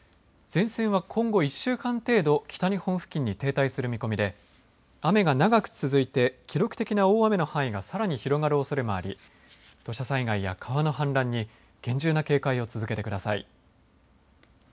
前線は今後１週間程度北日本付近に停滞する見込みで雨が長く続いて記録的な大雨の範囲がさらに広がるおそれもあり土砂災害や川の氾濫に厳重な警戒を続けてください。